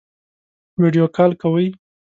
ویډیو کال کوئ؟